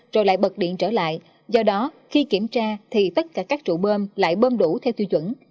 rồi lại bật điện trở lại do đó khi kiểm tra thì tất cả các trụ bơm lại bơm đủ theo tiêu chuẩn